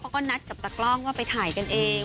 เขาก็นัดกับตากล้องว่าไปถ่ายกันเอง